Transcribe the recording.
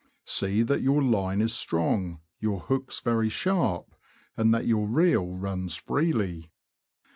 See that your line is strong, your hooks very sharp, and that your reel runs freely.